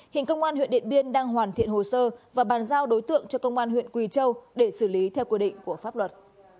hiện công an huyện điện biên đang hoàn thiện hồ sơ và bàn giao đối tượng cho công an huyện quỳ châu để xử lý theo quy định của pháp luật